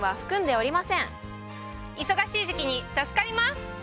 忙しい時期に助かります！